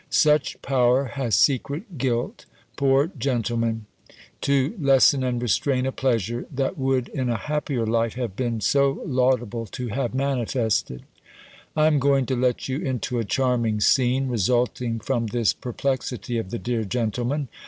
Such power has secret guilt, poor gentleman! to lessen and restrain a pleasure, that would, in a happier light, have been so laudable to have manifested! I am going to let you into a charming scene, resulting from this perplexity of the dear gentleman.